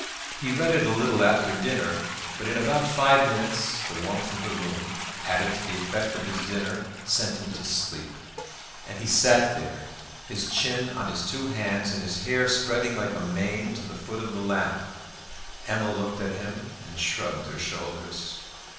He read it a little after dinner, but in about five minutes the warmth of the room added to the effect of his dinner sent him to sleep; and he sat there, his chin on his two hands and his hair spreading like a mane to the foot of the lamp. Emma looked at him and shrugged her shoulders.